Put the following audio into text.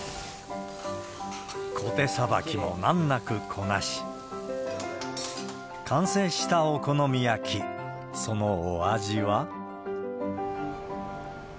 こてさばきも難なくこなし、完成したお好み焼き、そのお味は。